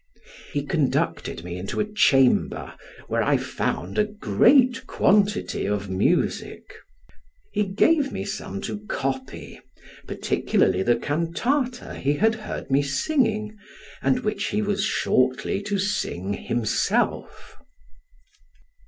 He conducted me into a chamber, where I found a great quantity of music: he gave me some to copy, particularly the cantata he had heard me singing, and which he was shortly to sing himself.